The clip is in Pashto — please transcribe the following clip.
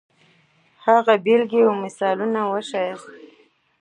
د هغې بېلګې او مثالونه وښیاست.